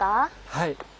はい。